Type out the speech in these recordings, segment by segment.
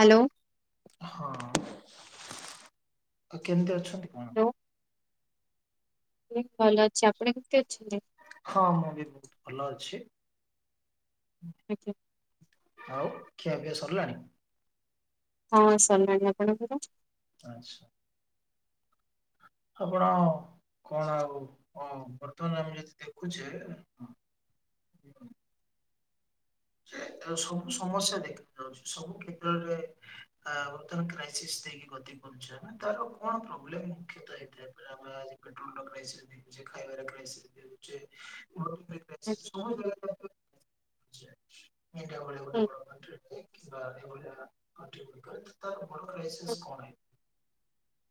Hello. ହଁ ଆଉ କେମିତି ଅଛନ୍ତି ଆପଣ? ହ୍ୟାଲୋ ମୁଁ ଭଲ ଅଛି ଆପଣ କେମିତି ଅଛନ୍ତି। ହଁ ମୁଁବି ବହୁତ ଭଲଅଛି। [unintelligible] ଆଉ ଖିଆପିଆ ସରଲାଣି। ହଁ ସରିଲାଣି ଆପଣଙ୍କର ଆଚ୍ଛା। ଆପଣ କଣ ଆଉ କଣ ବର୍ତ୍ତମାନ ଆମେ ଯଦି ଦେଖୁଛେ [unintelligible] ଏରା ସବୁ ସମସ୍ୟା ଦେଖା ଯାଉଛି ସବୁ କ୍ଷେତ୍ରରେ ଆଉ ତାର କ୍ରାଇସିସ ଦେଇକି ଗତି କରୁଛ ତାର କଣ ପ୍ରୋବ୍ଲେମ ମୁଖ୍ୟତଃ ଆଜ୍ଞା। ହେଇଥିଲା [unintelligible] [unintelligible] [unintelligible] ହୁଁ [unintelligible] ତାର ପୁରୁଣା ଲାଇସେସ୍ କଣ?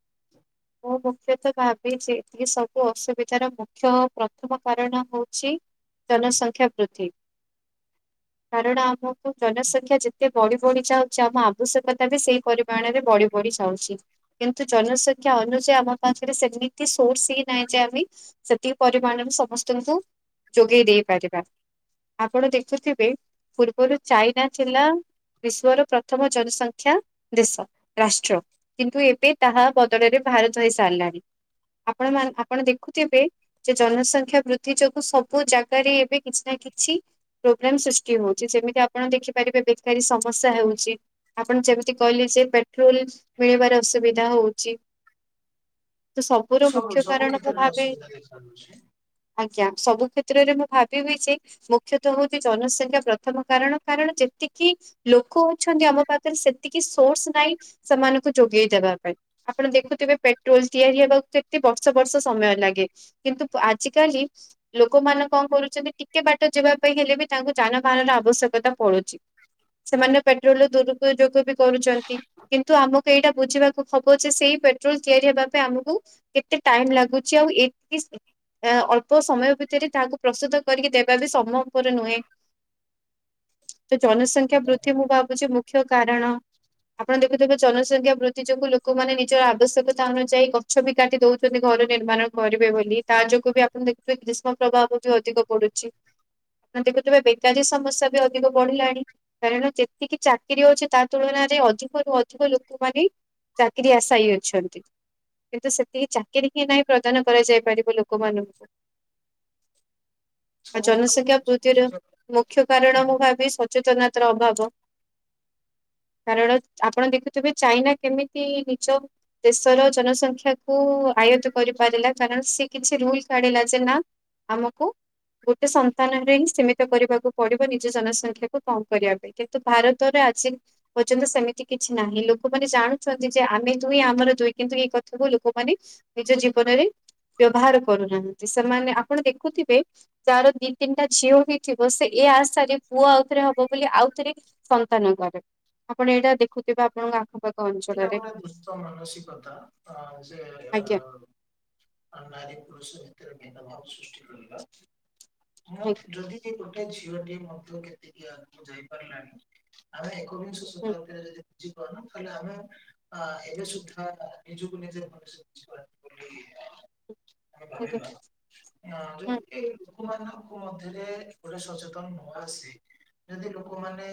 [unintelligible] ମୁଁ ମୁଖ୍ୟତଃ ଭାବି ଏସବୁ ଅସୁବିଧାର ମୁଖ୍ୟ ପ୍ରଥମ କାରଣ ହଉଛି ଜନସଂଖ୍ୟା ବୃଦ୍ଧି କାରଣ ଆମକୁ ଜନସଂଖ୍ୟା ଯେତେ ବଢି ବଢି ଯାଉଛି ଆମ ଆବଶ୍ୟକତା ବି ସେଇ ପରିମାଣରେ ବଢି ବଢ଼ି ଯାଉଛି କିନ୍ତୁ ଜନ ଜୁ ଯେ ଆମ ପାଖରେ ସେମିତି ସୋର୍ସ ହି ନାହିଁ ଯେ ଆମେ ସେତିକି ପରିମାଣରେ ସମସ୍ତଙ୍କୁ ଯୋଗେଇ ଦେଇ ପାରିବା ଆପଣ ଦେଖୁଥିବେ ପୂର୍ବରୁ ଚାଇନା ଥିଲା ବିଶ୍ୱର ପ୍ରଥମ ଜନସଂଖ୍ୟା ଦେଶ ରାଷ୍ଟ୍ର କିନ୍ତୁ ଏବେ ତାହା ରେ ଭାରତ ହେଇସାରିଲାଣି ଆପଣ ମ ଆପଣ ଦେଖୁଥିବେ ଯେ ଜନସଂଖ୍ୟା ବୃଦ୍ଧି ଯୋଗୁଁ ସବୁ ଜାଗାରେ ଏବେ କିଛି ନା କିଛି ପ୍ରୋବ୍ଲେମ ସୃଷ୍ଟି ହଉଛି ଯେମିତି ଆପଣ ଦେଖିପାରିବେ ବେକାରୀ ସମସ୍ୟା ହେଉଛି ଆପଣ ଯେମିତି କହିଲେ ଯେ ପେଟ୍ରୋଲ ମିଳିବାର ଅସୁବିଧା ହଉଛି ତ ସବୁର ସବୁ ମୁଖ୍ୟ ସବୁ କାରଣ ମୁଁ କ୍ଷେତ୍ରରେ ଭାବେ ଅସୁବିଧା ଦେଖାଯାଉଛି। ଆଜ୍ଞା ସବୁ କ୍ଷେତ୍ରରେ ମୁଁ ଭାବିବି ଯେ ମୁଖ୍ୟତଃ ହଉଛି ଜନସଂଖ୍ୟା ପ୍ରଥମ କାରଣ କାରଣ ଯେତିକି ଲୋକ ଅଛନ୍ତି ଆମ ପାଖରେ ସେତିକି ସୋର୍ସ ନାହିଁ ସେମାନଙ୍କୁ ଯୋଗେଇ ଦେବା ପାଇଁ ଆପଣ ଦେଖୁଥିବେ ପେଟ୍ରୋଲ ତିଆରି ହେବାକୁ କେତେ ବର୍ଷ ବର୍ଷ ସମୟ ଲାଗେ କିନ୍ତୁ ଆଜି କାଲି ଲୋକ ମାନେ କଣ କରୁଛନ୍ତି ଟିକେ ବାଟ ଯିବା ପାଇଁ ହେଲେ ବି ତାଙ୍କୁ ଯାନବାହାନ ର ଆବଶ୍ୟକତା ପଡୁଛି ସେମାନେ ପେଟ୍ରୋଲ ଦୁରୁପଯୋଗ ବି କରୁଛନ୍ତି କିନ୍ତୁ ଆମକୁ ଏଇଟା ବୁଝିବାକୁ ହବ ସେଇ ପେଟ୍ରୋଲ ତିଆରି ହେବା ପାଇଁ ଆମକୁ କେତେ ଟାଇମ୍ ଲାଗୁଛି ଆଉ ଏ ଅଳ୍ପ ସମୟ ଭିତରେ ତାହାକୁ ପ୍ରସ୍ତୁତ କରିକି ଦେବା ବି ସମୟ ଉପରେ ନୁହେଁ ତ ଜନସଂଖ୍ୟା ବୃଦ୍ଧି ମୁଁ ଭାବୁଛି ମୁଖ୍ୟ କାରଣ ଆପଣ ଦେଖୁଥିବେ ଜନସଂଖ୍ୟା ବୃଦ୍ଧି ଯୋଗୁ ଲୋକ ଲୋକ ମାନେ ନିଜର ଆବଶ୍ୟକତା ଅନୁଯାୟୀ ଗଛ ବି କାଟି ଦଉଛନ୍ତି ଘର ନିର୍ମାଣ କରିବେ ବୋଲି ତା ଯୋଗୁ ବି ଆପଣ ଦେ ଗ୍ରୀଷ୍ମ ପ୍ରଭାବ ବି ଅଧିକ ପଡୁଛି ଦେଖୁଥିବେ ବେକାରୀ ସମସ୍ୟା ବି ଅଧିକ ବଢିଲାଣି କାରଣ ଯେତିକି ଚାକିରି ଅଛି ତା ତୁଳନାରେ ଅଧିକରୁୁ ଅଧିକ ଲୋକମାନେ ଚାକିରି ଆଶାୟୀ ଅଛନ୍ତି କିନ୍ତୁ ସେତିକି ଚାକିରି ହିଁ ନାହିଁ ପ୍ରଦାନ କରାଯାଇ ପାରିବ ଲୋକମାନଙ୍କୁ ଆ ସବୁ ଗୋଟେ ଏଇଟା ଜନସଂଖ୍ୟା ବୃଦ୍ଧିର ମୁଖ୍ୟ କାରଣ ମୁଁ ଭାବି ସଚେତନତାର ଅଭାବ କାରଣ ଆପଣ ଦେଖୁଥିବେ ଚାଇନା କେମିତି ନିଚ ଦେଶର ଜନସଂଖ୍ୟାକୁୁ ଆୟତ କରିପାରିଲା କାରଣ ସିଏ କିଛି ରୁଲ କାଢିଲା ଯେ ନା ଆମକୁ ଗୋଟେ ସନ୍ତାନରେ ହିଁ ସୀମିତ କରିବାକୁ ପଡିବ ନିଜ ଜନସଂଖ୍ୟାକୁୁ କମ କରିବା ପାଇଁ କିନ୍ତୁ ଭାରତରେ ଆଜି ପର୍ଯ୍ୟନ୍ତ ସେମିତି କିଛି ନାହିଁ ଲୋକମାନେ ଜାଣୁ ଯେ ଆମେ ଦୁଇ ଆମର ଦୁଇ କିନ୍ତୁ ଏଇ କଥାକୁ ଲୋକମାନେ ନିଜ ଜୀବନରେ ବ୍ୟବହାର କରୁନାହାନ୍ତି ସେମାନେ ଆପଣ ଦେଖୁଥିବେ ଯାର ଦି ତିନିଟା ଝିଅ ହେଇଥିବ ସେ ଏ ଆଶା ରେ ପୁଅ ଆଉଥରେ ହବ ବୋଲି ଆଉଥରେ ସନ୍ତାନ କରେ ଆପଣ ଏଇଟା ଦେଖୁଥିବେ ଆପଣଙ୍କ ଆଖପାଖ ଟା ଅଞ୍ଚଳରେ ଗୋଟେ ଦୁ ମାନସିକତା ଯେ ଆଜ୍ଞା ଆ ନାରୀ ପୁରୁଷ ଭିତରେ ଭିନ ଭାବ ସୃଷ୍ଟି କରିବା ଆଜ୍ଞା ଯଦି ଗୋଟେ ଝିଅଟିଏ ମଧ୍ୟ କେତିକି ଆଗକୁ ଯାଇପାରିଲାଣି ଆମେ ଏକବିଂଶ ହୁଁ ଶତାବ୍ଦୀରେ ଯଦି ବୁଝିବ ନା ତାହେଲେ ଆମେ ଅ ଏବେ ସୁଦ୍ଧା ନିଜକୁ ମ [unintelligible] ହୁଁ ତାକୁ ବାଡେଇ ଆଜ୍ଞା ଦବା। ନା ହୁଁ ଯୋମିତି ଏଇ ଲୋକମାନାନଙ୍କ ମଧ୍ୟରେ ଗଟେ ସଚେତନ ନ ଆସିଛି ଯଦି ଲୋକମାନେ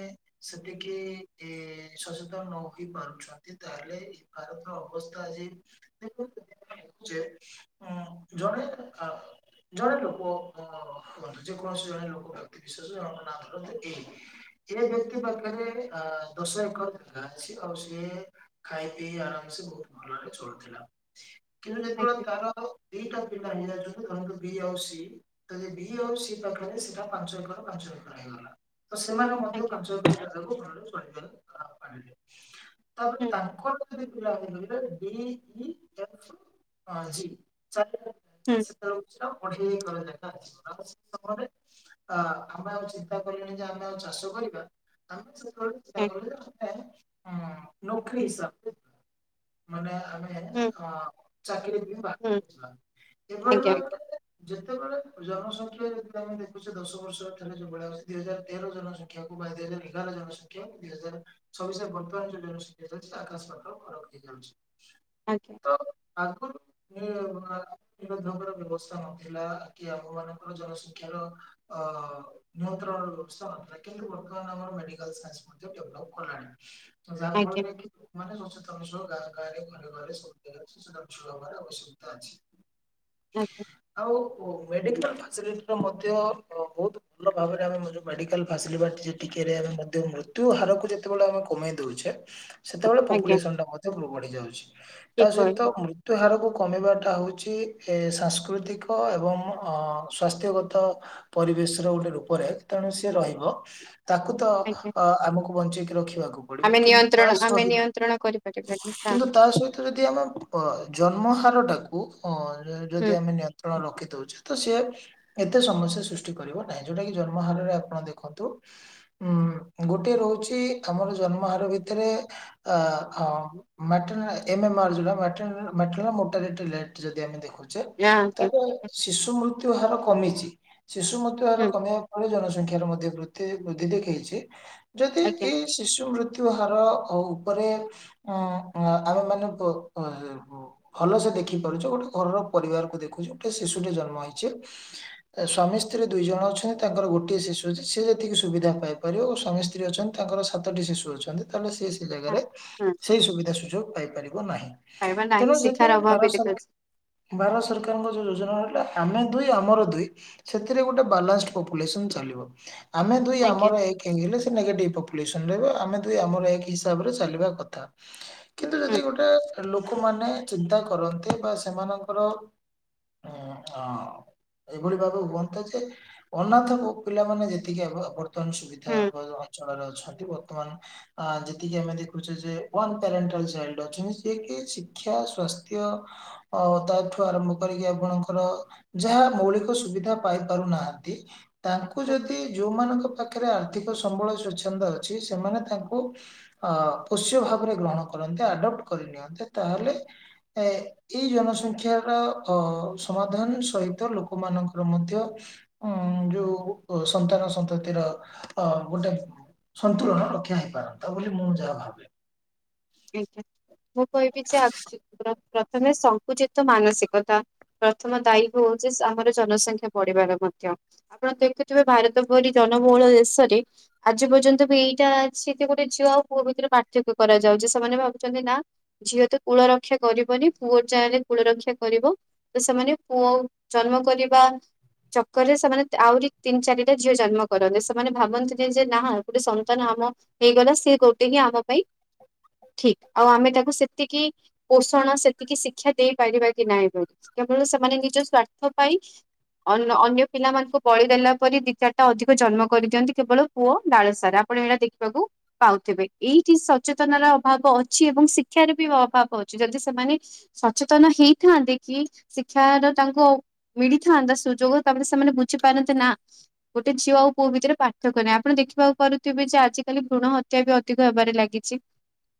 ସେତିକି ଏ ସଚେତନ ନ ହୋଇ ପାରୁଛନ୍ ତାହେଲେ ଭାରତର ଅବସ୍ଥା ଆଜି ଦେଖୁନ୍ତୁ ସେ ଉଁ ଜଣେ ଆଉ ଜଣେ ଲୋକ ଅ ମ ଯେକୌଣସି ଜଣେ ଲୋକ ବ୍ୟକ୍ତି ବିଶେଷ ଜଙ୍କ ନାଁ ଧର ଏଇ। ଏ ବ୍ୟକ୍ତି ପାଖରେ ଅ ଦୋଷ ଏକା ଅଛି ଆଉ ସିଏ ଖାଇ ପିଇ ଆରାମସେ ବୋହୁତ ଭଲରେ ଚଳୁଥିଲା କିନ୍ତୁ ଯେତେବେଳେ ଆଜ୍ଞା ତାର ଦିଟା ପିଲା ନି ଯାନ୍ତୁ ଧରନ୍ତୁ ବି ଆଉ ସି। ତାହେଲେ ବି ଆଉ ସି ପାଖରେ ସେଟା ପାଞ୍ଚ ଏକର ପାଞ୍ଚ ଏକର ହେଇଗଲା। ତ ସେମାନେ ମଧ୍ୟ ଆଜ୍ଞା ପାଞ୍ଚ [unintelligible] ତାପରେ ହୁଁ ତାଙ୍କର ଯଦି ହୁଁ [unintelligible] [unintelligible] ଅଢେଇ ଏକର ଜାଗା ଅଛି [unintelligible] ଅ ଆମେ ଆଉ ଚିନ୍ତା କଲେଣି ଯେ ଆମେ ଆଉ ଚାଷ କରିବା ଆମେ ସେ [unintelligible] ଆଜ୍ଞା ହୁଁ ଚାକିରି ବା ହୁଁ ଆଜ୍ଞା [unintelligible] ଯେତେବେଳେ ଜନସଂଖ୍ୟା ଯଦି ଆମେ ଦେଖୁଛେ ଦଶ ବର୍ଷ ଥରେ ଯୋଉ ଭଳିଆ ଅଉଛି ଦିଇ ହଜାର ତେର ଜନସଂଖ୍ୟା ସଂଖ୍ୟାକୁ ବା ଦୁଇ ହଜାର ଏଗାର ଜନସଂଖ୍ୟା ଦୁଇ ହଜାର ଚବିଶରେ ବର୍ତ୍ତମାନ ଯଉ ଜନସଂଖ୍ୟା ହେଇଯାଉଚି ଆକାଶ ପାତାଳ ଫରକ ହେଇଯାଉଛି। ଆଜ୍ଞା। [unintelligible] ଧଙ୍କ ବ୍ୟବସ୍ଥା ନଥିଲା କି ଆମ ମାନଙ୍କର ଜନସଂଖ୍ୟାର ଅ ନିୟନ୍ତ୍ରଣ ରହୁଚି ତ କିନ୍ତୁ ବର୍ତ୍ତମାନ ଆମର ମେଡିକାଲ ସାଇନ୍ସ ମଧ୍ୟ ଡେଭଲପ୍ କଲାଣି। ଆଜ୍ଞା ଝାଡ଼ଖଣ୍ଡରେ ମାନେ ସଚେତନସିଳ ଗାଁ ଗାଁରେ ଘରେ ଘାରେ ସବୁ ଜାଗାରେ ସଚେତନ ଛୁଆ ହବାର ଆବଶ୍ୟକତା ଅଛି। ଉଁ ହୁଁ। ଆଉ ମେଡିକାଲ ଫାସିଲିଟିର ମଧ୍ୟ ଅ ବୋହୁତୁ ଭଲ ଭାବରେ ଆମେ ଜଉ ମେଡିକାଲ ଫାସିଲଟି ଟିକେରେ ଆମେ ମଧ୍ୟ ମୃତ୍ୟୁହାରାରକୁ ଯେତେବେଳେ ଆମେ କମେଇ ଦଉଚେ ସେତବେଳେ ଆଜ୍ଞା ପପୁଲେସନ ଟା ମଧ୍ୟ ବଢି ଯାଉଚି ତା ଠିକ ସହିତ କହିଲେ ମୃ ତ ଏହାରକୁ କମିବାଟା ହେଉଚି ଏ ସାଂସ୍କୃତିକ ଏବଂ ଅ ସ୍ୱାସ୍ଥ୍ୟଗତ ପରିବେଶ ର ଗୋଟେ ରୂପରେ ତେଣୁ ସିଏ ରହିବ। ତାକୁ ତ ଆଜ୍ଞା ଅ ଆମକୁ ବଞ୍ଚେଇକି ରଖିବାକୁ ପଡିବ ଆମେ କିନ୍ତୁ ତା ନିୟନ୍ତ୍ରଣ ଆମେ ସହିତ ନିୟନ୍ତ୍ରଣ କରିପାରିବାନି ହବିତ୍ କିନ୍ତୁ ତା ସହିତ ଯଦି ଆମେ ଅ ଜନ୍ମହାରାର ଟାକୁ ଅ ହୁଁ ଯଦି ଆମେ ନିୟନ୍ତ୍ରଣ ରଖି ଦଉଚେ ତ ସେ ଏତେ ସମସ୍ୟା ସୃଷ୍ଟି କରିବ ନାହିଁ ଯୋଉଟା କିି ଜନ୍ମ ହାରରେ ଆପଣ ଦେଖନ୍ତୁ। ଉଁ ଗୋଟେ ରହୁଚି ଆମର ଜନ୍ମହାର ଭିତରେ ଆ ଅ ମେଟାରାଲ ଏମ ଏମାର ଯାଉଟା ମେଟେରାଲ ମୋଟାଲେଟ ଯଦି ଆମେ ଦେଖୁଚେ ଯେ ଆଜ୍ଞା ଆଜ୍ଞା ତାପରେ ଶିଶୁ ମୃତ୍ୟୁ ହାର କମିଚି। ଶିଶୁ ମୃତ୍ୟୁ ହାର ହୁଁ କମିଇବା ଫଳରେ ଜନସଂଖ୍ୟାର ମଧ୍ୟ ବୃଦ୍ଧି ବୃଦ୍ଧି ଦେଖେଇଛି ଯଦି ଆଜ୍ଞା ଏଇ ଶିଶୁ ମୃତ୍ୟୁ ହାର ଆ ଉପରେ ଉଁ ଆମେ ମାନେ ଭଲ ସେ ଦେଖି ପାରୁଚେ ଗୋଟେ ଘରର ପରିବାରକୁ ଦେଖୁଚେ ଗୋଟେ ଶିଶୁଟେ ଜନ୍ମ ହେଇଚି। ସ୍ୱାମୀ ସ୍ତ୍ରୀ ଦୁଇ ଜଣ ଅଛନ୍ତି ତାଙ୍କର ଗୋଟିଏ ଶିଶୁ ଅଛି ସିଏ ଯେତିକି ସୁବିଧା ପାଇ ପରିବାର ସ୍ୱାମୀ ସ୍ତ୍ରୀ ଅଛନ୍ତି ତାଙ୍କର ସାତଟି ଶିଶୁ ଅଛନ୍ତି କାରଣ ସିଏ ସି ସେ ହଁ ଜାଗାରେ ହଁ ସେଇ ସୁବିଧା ସୁଯୋଗ ପାଇପାରିବ ନାହିଁ। ପାଇବା ନାହିଁ ତେଣୁ ଯେତେ ଶିକ୍ଷାର ଅଭାବ ବି ଭାରତ ସର ଦେଖାଯାଉଛି ଭାରତ ସରକାରଙ୍କ ଯୋଉ ଯୋଜନା ହେଇଥିଲା ଆମେ ଦୁଇ ଆମର ଦୁଇ ସେଥିରେ ଗୋଟେ ବାଲାନ୍ସ ପପୁଲେସନ୍ ଚାଲିବ। ଆମେ ଦୁଇ ଆଜ୍ଞା ଆମର ଏକ ହେଇଗଲେ ସେ ନେଗଟିଭ ପପୁଲେସନ୍ ରହିବ ଆମେ ଦୁଇ ଆମର ଏକ ହେଇ ସା ରିଲା ପରେ ଚାଲିବ କଥା କିନ୍ତୁ ଯଦି ହୁଁ ଗୋଟେ ଲୋକମାନେ ଚିନ୍ତା କରନ୍ତି ବା ସେମାନଙ୍କର ହୁଁ ଆ ଏଇ ଭଳି ଭାବେ ହୁଅନ୍ତା ଯେ ଅନାଥ ପୁ ପିଲାମାନେ ଯେତିକି ଆଗ ହବ ନୂତନ ସୁବିଧା ହୁଁ ଭଲ ଅଞ୍ଚଳରେ ଅଛନ୍ତି ବର୍ତ୍ତମାନ ଆ ଯେ ତିକି ଆମେ ଦେଖୁଛେ ଯେ ୱାନ୍ ପ୍ୟାରେଣ୍ଟାଲ୍ ଚାଇଲ୍ଡ ଅଛନ୍ତି ଯେ କି ଶିକ୍ଷା ସ୍ବାସ୍ଥ୍ୟ ଅ ତାଠୁ ଆରମ୍ଭ କରିକି ଆପଣଙ୍କର ଯାହା ମୌଳିକ ସୁବିଧା ପାଇ ପାରୁନାହାନ୍ତି ତାଙ୍କୁ ହୁଁ ଯଦି ଯୋଉମାନଙ୍କ ପାଖରେ ଆର୍ଥିକ ସମ୍ବଳ ସ୍ୱଚ୍ଛନ୍ଦରେ ଅଛି ସେମାନେ ତାଙ୍କୁ ଅ ପୋଷ୍ୟ ଭାବରେ ଗ୍ରହଣ କରନ୍ତି ଆଡପ୍ଟ କରି ନିିଅନ୍ତେ ତାହେଲେ ଏ ଏଇ ଜନସଂଖ୍ୟାର ଅ ସମାଧାନ ସହିତ ଲୋକମାନଙ୍କର ମଧ୍ୟ ଉଁ ଯୋଉ ସନ୍ତାନ ସନ୍ତତିର ଆ ଗୋଟେ ସନ୍ତୁଳନ ରକ୍ଷା ହେଇ ପାରନ୍ତା ବୋଲି ମୁଁ ଯାହା ଭାବେ। ଆଜ୍ଞା ମୁଁ କହିବି ଯେ ଆଜି ପ୍ରଥମେ ସଙ୍କୁଚିତ ମାନସିକତା ପ୍ରଥମ ଦାୟୀ ହଉଛି ଆମର ଜନସଂଖ୍ୟା ବଢିବାରେ ମଧ୍ୟ। ଆପଣ ଦେଖୁଥିବେ ଭାରତ ପରି ଜନବହୁଳ ଦେଶରେ ଆଜି ପର୍ଯ୍ୟନ୍ତ ବି ଏଇଟା ଅଛି ଯେ ଗୋଟେ ଝିଅ ଆଉ ପୁଅ ଭିତରେ ପାର୍ଥକ୍ୟ କରାଯାଉଛି ସେ ସେମାନେ ଭାବୁଛନ୍ତି ନା ଝିଅ ତ କୂଳ ରକ୍ଷା କରିବନି ପୁଅ ଚାହିଁଲେ କୂଳ ରକ୍ଷା କରିବ। ତ ସେମାନେ ପୁଅ ଆଉ ଜନ୍ମ କରିବାକୁ ଆ ଚକର ରେ ସେମାନେ ତ ଆହୁରି ତିନି ଚାରିଟା ଝିଅ ଜନ୍ମ କରନ୍ତି ସେମାନେ ଭାବନ୍ତି ଯେ ଯେ ନା ହଁ ଗୋଟେ ସନ୍ତାନ ଆମ ହେଇଗଲା ସିଏ ଗୋଟେ ହିଁ ଆମ ପାଇଁ ଠିକ୍ ଆଉ ଆମେ ତାକୁ ସେତିକି ପୋଷଣ ସେତିକି ଶିକ୍ଷା ଦେଇ ପାରିବା କି ନାଇଁ [inaudible] କେବଳ ସେମାନେ ନିଜ ସ୍ଵାର୍ଥ ପାଇଁ ଅନ ଅନ୍ୟ ପିଲାମାନଙ୍କୁ ବଳି ଦେଲା ପରି ଦି ଚାରିଟା ଅଧିକ ଜନ୍ମ କରିଦିଅନ୍ତି କେବଳ ପୁଅ ଡାଳସାରା ଆପଣମାନେ ଦେଖିବାକୁ ପାଉଥିବେ ଏଇଠି ସଚେତନର ଅଭାବ ଅଛି ଏବଂ ଶିକ୍ଷାରେ ବି ଅଭାବ ଅଛି ଯେଦି ସେମାନେ ସଚେତନ ହେଇଥାନ୍ତେ କି ଶିକ୍ଷାର ତାଙ୍କୁ ମିଳିଥାନ୍ତା ସୁଯୋଗ ତାପରେ ସେମାନେ ବୁଝିପାରନ୍ତେ ନା ଗୋଟେ ଝିଅ ଆଉ ପୁଅ ଭିତରେ ପାର୍ଥକ୍ୟ ନାହିଁ ଆପଣ ଦେଖି ପାରୁଥିବେ ଯେ ଆଜିକାଲି ଭୃଣ ହତ୍ୟା ବି ଅଧିକ ହେବାରେ ଲାଗିଛି।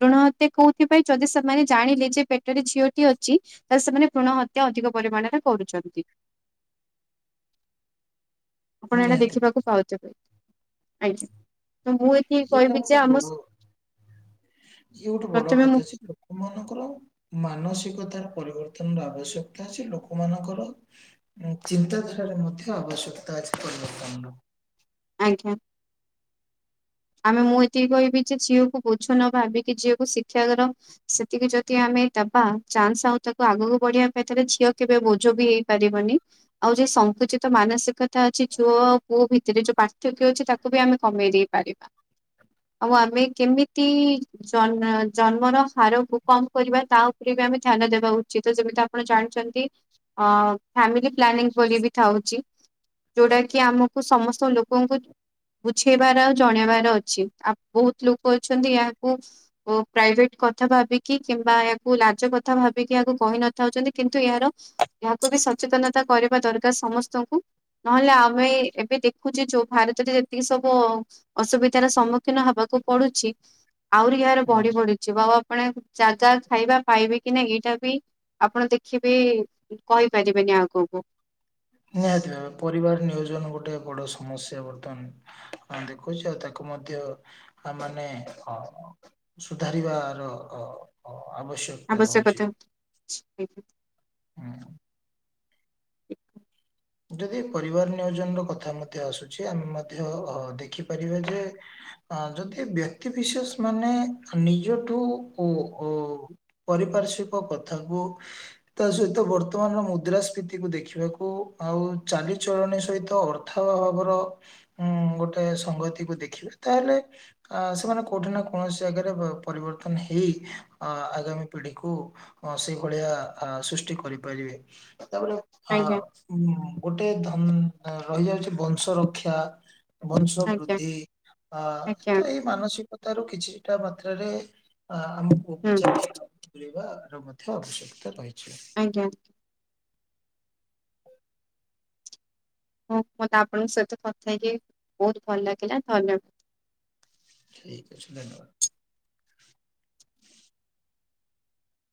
ଭୃଣ ହତ୍ୟା କୋଉଥିପାଇଁ ଯଦି ସେମାନେ ଜାଣିଲେ ଯେ ପେଟରେ ଝିଅଟିଏ ଅଛି ତାହେଲେ ସେମାନେ ଭୃଣ ହତ୍ୟା ଅଧିକ ପରିମାଣରେ କରୁଛନ୍ତି। ଆପଣ ଏଇଟା ନିହାତି ଦେଖିବାକୁ ଭାବେ। ପାଉଥିବେ। ଆଜ୍ଞା ତ ମୁଁ ଏଠି ଏଇଟା କହିବି ଗୋଟେ ଯେ ଆମ ବଡ ସ ଇଏ ଗୋଟେ ବଡ଼ ପ୍ରଥମେ ମୁଁ କଥା ଅଛି ଯୋଉ ମାନଙ୍କର ମାନସିକତାର ପରିବର୍ତ୍ତନର ଆବଶ୍ୟକତା ଅଛି ଲୋକମାନଙ୍କର ଚିନ୍ତାଧାରାରେ ମଧ୍ୟ ଆବଶ୍ୟକତା ଅଛି ପରିବର୍ତ୍ତନର। ଆଜ୍ଞା। ଆମେ ମୁଁ ଏତିକି କହିବି ଯେ ଝିଅକୁ ବୋଝ ନ ଭାବିିକି ଝିଅକୁ ଶିକ୍ଷାକର ସେତିକି ଯଦି ଆମେ ଦବା ଚାନ୍ସ ଆଉ ତାକୁ ଆଗକୁ ବଢିବା ପାଇଁ ତାହେଲେ ଝିଅ କେବେ ବୋଝ ବି ହେଇପାରିବନି। ଆଉ ଯୋଉ ସଂଙ୍କୁଚିତ ମାନସିକତା ଅଛି ଝୁଅ ଆଉ ପୁଅ ଭିତରେ ଯୋଉ ପାର୍ଥକ୍ୟ ଅଛି ତାକୁ ବି ଆମେ କମେଇ ଦେଇପାରିବା ଆଉ ଆମେ କେମିତି ଜ ଜନ୍ମର ହାର କୁ କମ କରିବା ତା ଉପରେ ବି ଆମେ ଧ୍ୟାନ ଦେବା ଉଚିତ ଯେମିତି ଆପଣ ଜାଣିଛନ୍ତି ଅ ଫାମିଲି ପ୍ଲାନିଂ ବୋଲି ବି ଥାଉଛି ଯୋଉଟା କି ଆମକୁ ସମସ୍ତ ଲ ଲୋକଙ୍କୁ ବୁଝେଇବାର ଆଉ ଜଣେଇବାର ଅଛି ଆଉ ବହୁତ ଲୋକ ଅଛନ୍ତି ଏହାକୁ ଓ ପ୍ରାଇଭେଟ କଥା ଭାବିକି କିମ୍ବା ଏହାକୁ ଲାଜ କଥା ଭାବିକି ଏହାକୁ କହି ନଥାଉଛନ୍ତି କିନ୍ତୁ ଏହାର ଏହାକୁ ବି ସଚେତନତା କରିବା ଦରକାର ସମସ୍ତଙ୍କୁ ନହେଲେ ଆମେ ଏବେ ଦେଖ ଯୋଉ ଭାରତରେ ଯେତିକି ସବୁ ଅସୁବିଧାର ସମ୍ମୁଖୀନ ହବାକୁ ପଡୁଛି ଆହୁରି ଏରେ ହଁ ବଢି ବଢି ଯିବ ଆଉ ଆପଣ ଯାଗା ଖାଇବା ପାଇବେ କି ନା ଏଇଟା ବି ଆପଣ ଦେଖିବେ କହିପାରିବେନି ଆଗକୁ। ନିହାତି ଭାବେ ପରିବାର ନିୟୋଜନ ଗୋଟେ ବଡ ସମସ୍ୟା ବର୍ତ୍ତମାନ ଦେଖୁଛି ଆଉ ତାକୁ ମଧ୍ୟ ମାନେ ଅ ସୁଧାରିବାର ଅ ଆବଶ୍ୟକ ଆବଶ୍ୟକତା ଅଛି ହଁ। [inaudible] ଯଦି ପରିବାର ନିୟୋଜନ ର କଥା ମଧ୍ୟ ଆସୁଛି ଆମେ ମଧ୍ୟ ଅ ଦେଖିପାରିବା ଯେ ଅ ଯଦି ବ୍ୟକ୍ତି ବିିଶେଷ ମାନେ ନିଜଠୁ ଓ ଓ ପାରିପାର୍ଶଵିକ କଥାକୁ। ତା ସହିତ ବର୍ତ୍ତମାନର ମୁଦ୍ରା ସ୍ଫୀତିକୁୁ ଦେଖିବାକୁ ଆଉ ଚାଲିଚଳଣି ସହିତ ଅର୍ଥା ଭାବର ଉଁ ଗୋଟେ ସଂଗତିକୁ ଦେଖିଲେ ତାହେଲେ ଆ ସେମାନେ କୋଉଠି ନା କୌଣସି ଜାଗାରେ ପରିବର୍ତ୍ତନ ହେଇ ଆଗାମୀ ପିଢିକୁ ଅ ସେଇଭଳିଆ ସୃଷ୍ଟି କରିପାରିବେ ତାପରେ ଅ ଆଜ୍ଞା ଗୋଟେ ଧନ ରହିଯାଉଛି ବଂଶ ରକ୍ଷା ବଂଶ ଆଜ୍ଞା ବୃଦ୍ଧି ଅ ଆଜ୍ଞା ତ ଏଇ ମାନସିକ ତାର କିଛିଟା ମାତ୍ରାରେ ଅ ଆମକୁ ହୁଁ ଉପଚାର ବାର ମଧ୍ୟ ଆବଶ୍ୟକତା ରହିଛି ଆଜ୍ଞା ହଉ ମତେ ଆପଣଙ୍କ ସହିତ କଥା ହେଇକି ବହୁତ ଭଲ ଲାଗିଲା ଧନ୍ୟବାଦ ଠିକ ଅଛି ଧନ୍ୟବାଦ